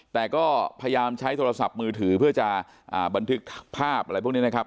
แต่ก็พยายามใช้โทรศัพท์มือถือเพื่อจะบันทึกภาพอะไรพวกนี้นะครับ